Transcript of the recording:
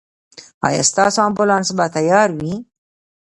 ایا ستاسو امبولانس به تیار وي؟